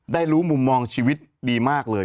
ได้รู้มุมมองชีวิตดีมากเลย